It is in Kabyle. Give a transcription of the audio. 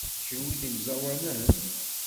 Kenwi d imẓawanen?